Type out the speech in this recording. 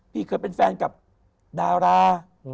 พี่เคยเป็นแฟนกับดารา